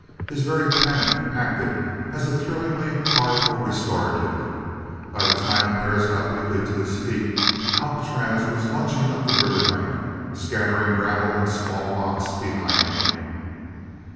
His very panic acted as a thrillingly powerful restorative. By the time Perris got weakly to his feet, Alcatraz was lunging up the river bank scattering gravel and small rocks behind him.